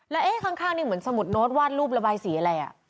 แล้วข้างนี่เหมือนสมุดโน้ตวาดรูประบายสีอะไร